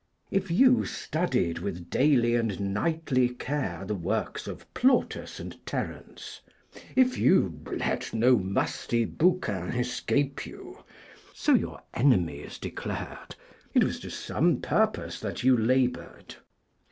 If you studied with daily and nightly care the works of Plautus and Terence, if you 'let no musty bouquin escape you' (so your enemies declared), it was to some purpose that you laboured.